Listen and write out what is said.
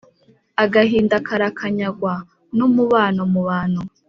agahinda karakanyagwa, n’umubano mu bantu